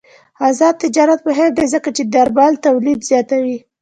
آزاد تجارت مهم دی ځکه چې درمل تولید زیاتوي.